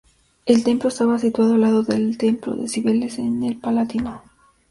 El templo estaba situado al lado del templo de Cibeles en el Palatino.